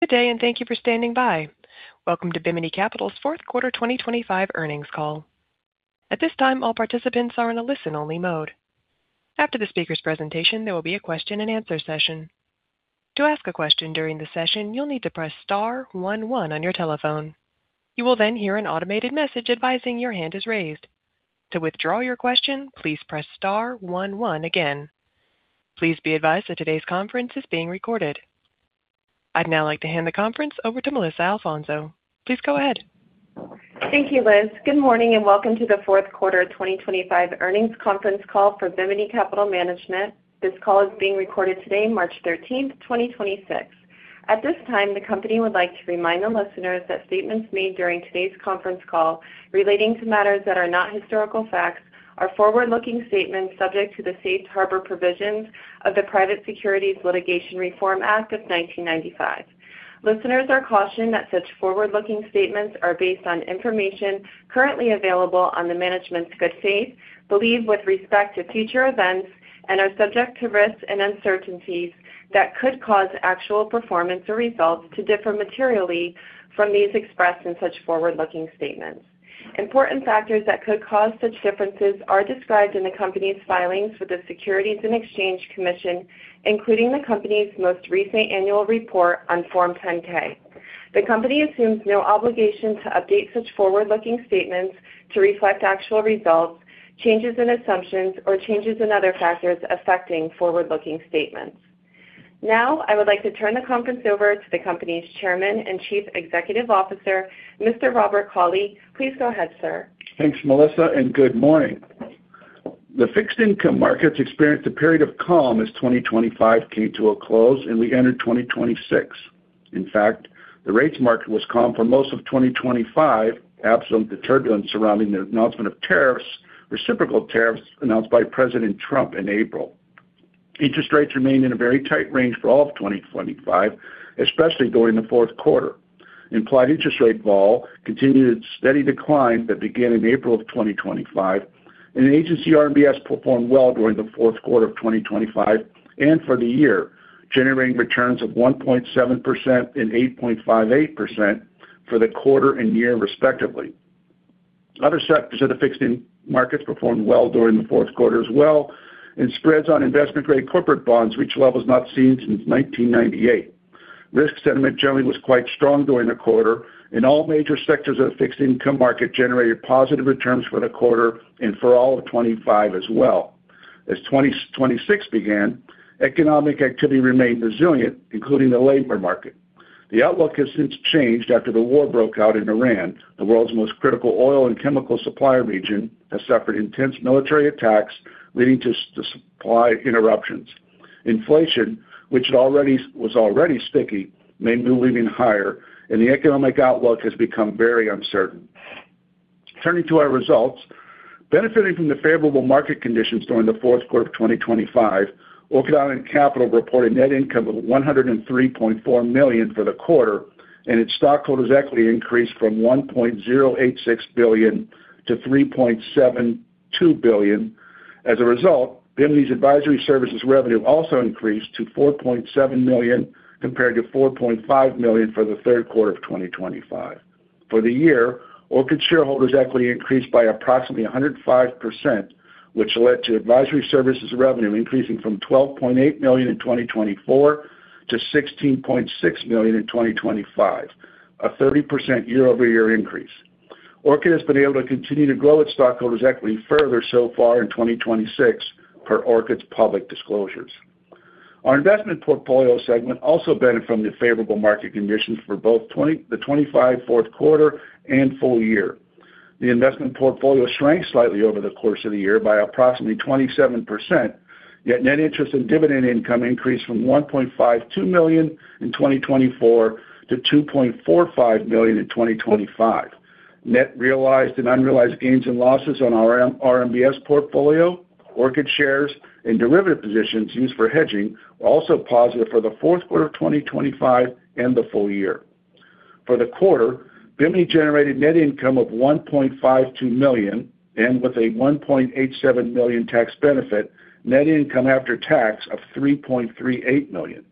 Good day, and thank you for standing by. Welcome to Bimini Capital's fourth quarter 2025 earnings call. At this time, all participants are in a listen-only mode. After the speaker's presentation, there will be a question-and-answer session. To ask a question during the session, you'll need to press star one one on your telephone. You will then hear an automated message advising your hand is raised. To withdraw your question, please press star one one again. Please be advised that today's conference is being recorded. I'd now like to hand the conference over to Melissa Alfonso. Please go ahead. Thank you, Liz. Good morning and welcome to the Fourth Quarter 2025 Earnings Conference Call for Bimini Capital Management. This call is being recorded today, March 13th, 2026. At this time, the company would like to remind the listeners that statements made during today's conference call relating to matters that are not historical facts are forward-looking statements subject to the safe harbor provisions of the Private Securities Litigation Reform Act of 1995. Listeners are cautioned that such forward-looking statements are based on information currently available on the management's good faith, belief with respect to future events, and are subject to risks and uncertainties that could cause actual performance or results to differ materially from these expressed in such forward-looking statements. Important factors that could cause such differences are described in the company's filings with the Securities and Exchange Commission, including the company's most recent annual report on Form 10-K. The company assumes no obligation to update such forward-looking statements to reflect actual results, changes in assumptions, or changes in other factors affecting forward-looking statements. Now, I would like to turn the conference over to the company's Chairman and Chief Executive Officer, Mr. Robert Cauley. Please go ahead, sir. Thanks, Melissa, and good morning. The fixed-income markets experienced a period of calm as 2025 came to a close and we entered 2026. In fact, the rates market was calm for most of 2025, absent the turbulence surrounding the announcement of tariffs, reciprocal tariffs announced by President Trump in April. Interest rates remained in a very tight range for all of 2025, especially during the fourth quarter. Implied interest rate vol continued its steady decline that began in April of 2025, and Agency RMBS performed well during the fourth quarter of 2025 and for the year, generating returns of 1.7% and 8.58% for the quarter and year respectively. Other sectors of the fixed-income markets performed well during the fourth quarter as well, and spreads on investment-grade corporate bonds reached levels not seen since 1998. Risk sentiment generally was quite strong during the quarter, and all major sectors of the fixed income market generated positive returns for the quarter and for all of 2025 as well. As 2026 began, economic activity remained resilient, including the labor market. The outlook has since changed after the war broke out in Iran. The world's most critical oil and chemical supplier region has suffered intense military attacks, leading to supply interruptions. Inflation was already sticky, may move even higher, and the economic outlook has become very uncertain. Turning to our results, benefiting from the favorable market conditions during the fourth quarter of 2025, Orchid Island Capital reported net income of $103.4 million for the quarter, and its stockholders' equity increased from $1.086 billion to $3.72 billion. As a result, Bimini's advisory services revenue also increased to $4.7 million, compared to $4.5 million for the third quarter of 2025. For the year, Orchid shareholders' equity increased by approximately 105%, which led to advisory services revenue increasing from $12.8 million in 2024 to $16.6 million in 2025, a 30% year-over-year increase. Orchid has been able to continue to grow its stockholders' equity further so far in 2026 per Orchid's public disclosures. Our investment portfolio segment also benefited from the favorable market conditions for both the 2025 fourth quarter and full year. The investment portfolio shrank slightly over the course of the year by approximately 27%, yet net interest and dividend income increased from $1.52 million in 2024 to $2.45 million in 2025. Net realized and unrealized gains and losses on our RMBS portfolio, Orchid shares, and derivative positions used for hedging were also positive for the fourth quarter of 2025 and the full year. For the quarter, Bimini generated net income of $1.52 million and with a $1.87 million tax benefit, net income after tax of $3.38 million.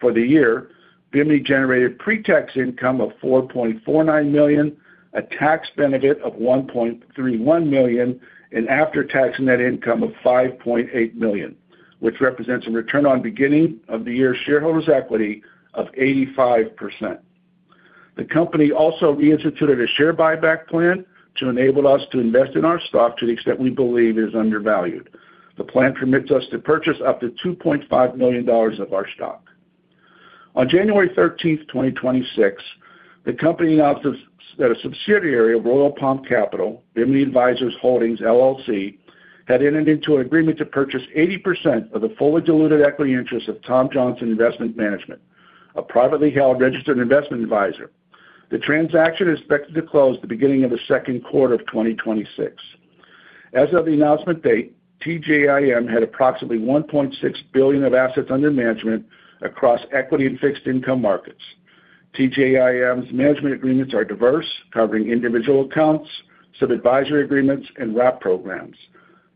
For the year, Bimini generated pre-tax income of $4.49 million, a tax benefit of $1.31 million, and after-tax net income of $5.8 million, which represents a return on beginning of the year shareholders' equity of 85%. The company also reinstituted a share buyback plan to enable us to invest in our stock to the extent we believe it is undervalued. The plan permits us to purchase up to $2.5 million of our stock. On January 13th, 2026, the company announced that a subsidiary of Royal Palm Capital, Bimini Advisors Holdings, LLC, had entered into an agreement to purchase 80% of the fully diluted equity interest of Tom Johnson Investment Management, a privately held registered investment adviser. The transaction is expected to close at the beginning of the second quarter of 2026. As of the announcement date, TJIM had approximately $1.6 billion of assets under management across equity and fixed income markets. TJIM's management agreements are diverse, covering individual accounts, sub-advisory agreements, and wrap programs.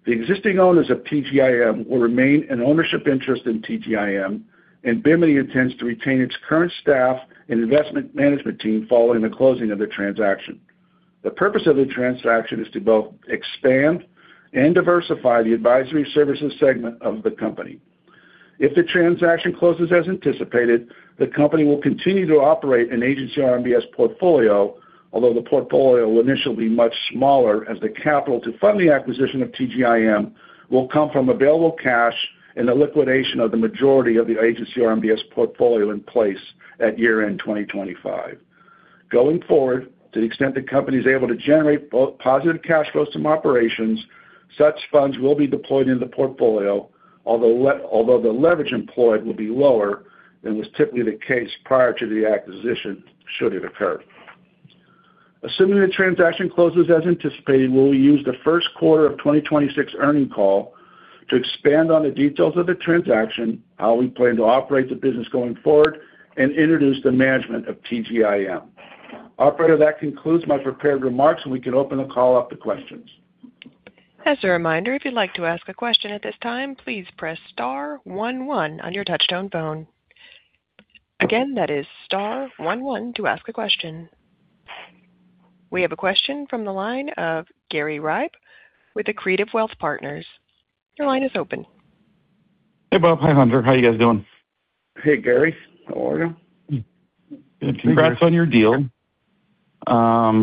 The existing owners of TJIM will remain an ownership interest in TJIM, and Bimini intends to retain its current staff and investment management team following the closing of the transaction. The purpose of the transaction is to both expand and diversify the advisory services segment of the company. If the transaction closes as anticipated, the company will continue to operate an agency RMBS portfolio, although the portfolio will initially be much smaller as the capital to fund the acquisition of TJIM will come from available cash and the liquidation of the majority of the agency RMBS portfolio in place at year-end 2025. Going forward, to the extent the company is able to generate both positive cash flows from operations, such funds will be deployed in the portfolio, although the leverage employed will be lower than was typically the case prior to the acquisition should it occur. Assuming the transaction closes as anticipated, we will use the first quarter of 2026 earnings call to expand on the details of the transaction, how we plan to operate the business going forward, and introduce the management of TJIM. Operator, that concludes my prepared remarks, and we can open the call up to questions. As a reminder, if you'd like to ask a question at this time, please press star one one on your touchtone phone. Again, that is star one one to ask a question. We have a question from the line of Gary Ribe with Accretive Wealth Partners. Your line is open. Hey, Bob. Hi, Hunter. How are you guys doing? Hey, Gary. How are you? Congrats on your deal. I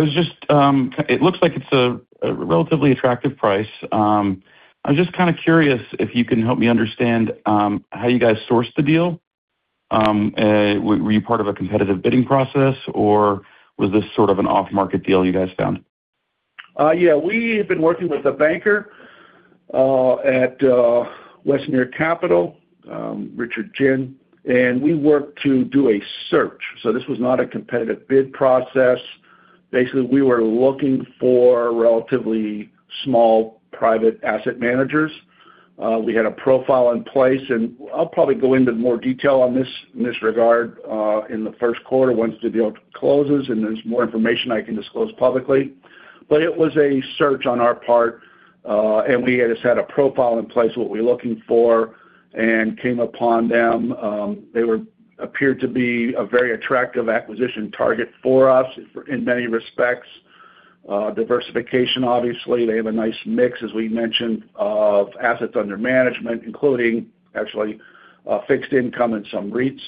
was just. It looks like it's a relatively attractive price. I was just kinda curious if you can help me understand how you guys sourced the deal. Were you part of a competitive bidding process, or was this sort of an off-market deal you guys found? Yeah, we have been working with the banker at Westmere Capital, Richard Jin, and we worked to do a search. This was not a competitive bid process. Basically, we were looking for relatively small private asset managers. We had a profile in place, and I'll probably go into more detail on this, in this regard, in the first quarter once the deal closes, and there's more information I can disclose publicly. It was a search on our part, and we just had a profile in place, what we're looking for, and came upon them. They appeared to be a very attractive acquisition target for us in many respects. Diversification, obviously. They have a nice mix, as we mentioned, of assets under management, including actually, fixed income and some REITs,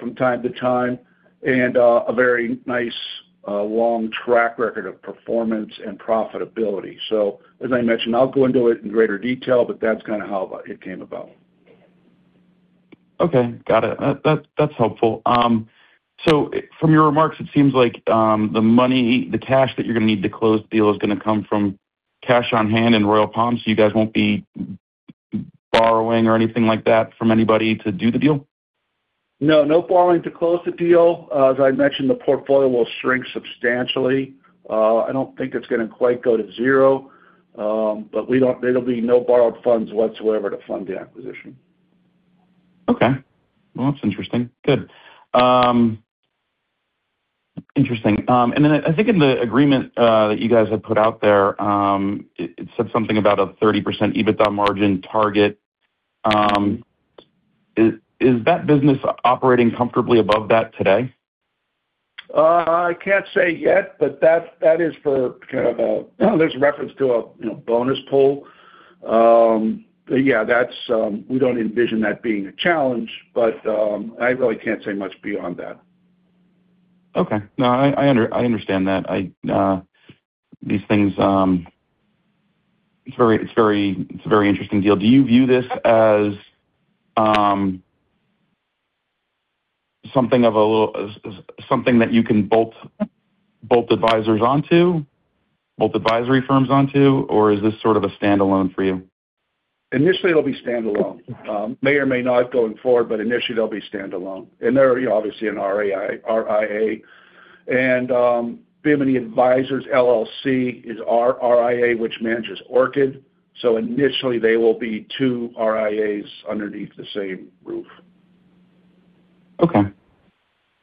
from time to time. A very nice, long track record of performance and profitability. As I mentioned, I'll go into it in greater detail, but that's kinda how it came about. Okay. Got it. That's helpful. From your remarks, it seems like the money, the cash that you're gonna need to close the deal is gonna come from cash on hand and Royal Palm, so you guys won't be borrowing or anything like that from anybody to do the deal? No, no borrowing to close the deal. As I mentioned, the portfolio will shrink substantially. I don't think it's gonna quite go to zero, but there'll be no borrowed funds whatsoever to fund the acquisition. Okay. Well, that's interesting. Good. Interesting. I think in the agreement that you guys had put out there, it said something about a 30% EBITDA margin target. Is that business operating comfortably above that today? I can't say yet, but there's a reference to a, you know, bonus pool. Yeah, that's. We don't envision that being a challenge, but I really can't say much beyond that. Okay. No, I understand that. These things, it's a very interesting deal. Do you view this as something that you can bolt advisors onto, advisory firms onto, or is this sort of a standalone for you? Initially, it'll be standalone. May or may not going forward, but initially they'll be standalone. They're obviously an RIA. Bimini Advisors, LLC is our RIA, which manages Orchid. Initially they will be two RIAs underneath the same roof. Okay.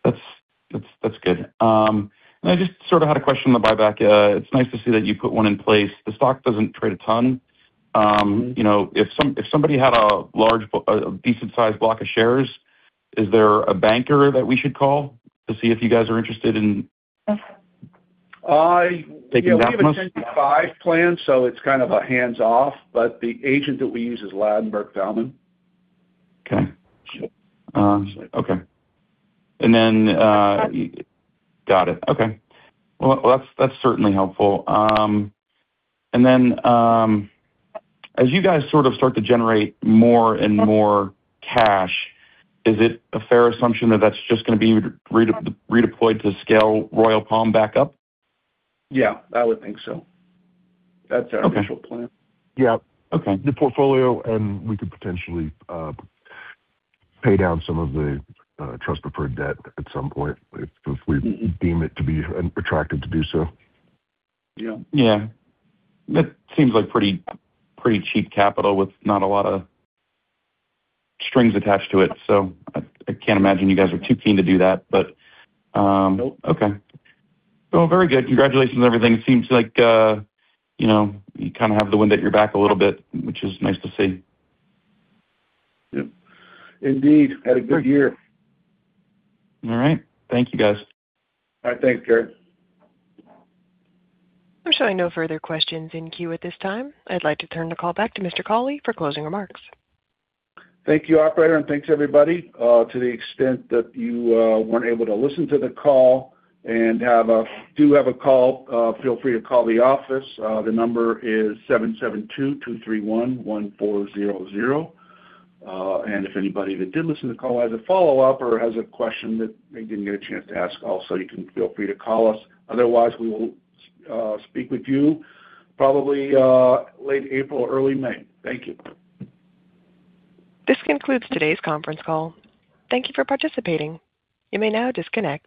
That's good. I just sort of had a question on the buyback. It's nice to see that you put one in place. The stock doesn't trade a ton. You know, if somebody had a decent sized block of shares, is there a banker that we should call to see if you guys are interested in taking that from us? Yeah, we have a 10b5-1 plan, so it's kind of a hands-off, but the agent that we use is Ladenburg Thalmann. Okay. Okay. Got it. Okay. Well, that's certainly helpful. As you guys sort of start to generate more and more cash, is it a fair assumption that that's just gonna be redeployed to scale Royal Palm back up? Yeah, I would think so. That's our official plan. Okay. Yeah. Okay. The portfolio and we could potentially pay down some of the trust preferred debt at some point if we deem it to be attractive to do so. Yeah. Yeah. That seems like pretty cheap capital with not a lot of strings attached to it, so I can't imagine you guys are too keen to do that, but. Nope. Okay. Well, very good. Congratulations on everything. It seems like, you know, you kinda have the wind at your back a little bit, which is nice to see. Yep. Indeed. Had a good year. All right. Thank you, guys. All right. Thanks, Gary. I'm showing no further questions in queue at this time. I'd like to turn the call back to Mr. Cauley for closing remarks. Thank you, operator, and thanks, everybody. To the extent that you weren't able to listen to the call and do have a call, feel free to call the office. The number is 772-231-1400. And if anybody that did listen to the call has a follow-up or has a question that they didn't get a chance to ask also, you can feel free to call us. Otherwise, we will speak with you probably late April, early May. Thank you. This concludes today's conference call. Thank you for participating. You may now disconnect.